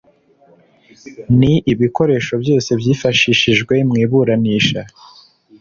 ni ibikoresho byose byifashishijwe mu iburanisha